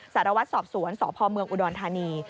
สารวัตรสอบสวนสพมอุดอนธานี